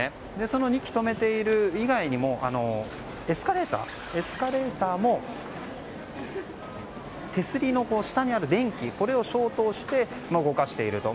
その２基止めている以外にもエスカレーターも手すりの下にある電気これを消灯して動かしていると。